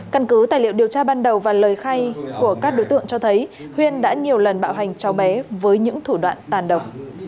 căn cứ tài liệu điều tra ban đầu và lời khai của các đối tượng cho thấy huyên đã nhiều lần bạo hành cháu bé với những thủ đoạn tàn độc